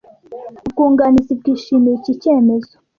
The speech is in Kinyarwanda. Ubwunganizi bwishimiye iki cyemezo.